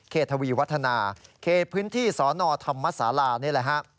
ทวีวัฒนาเขตพื้นที่สนธรรมศาลานี่แหละฮะ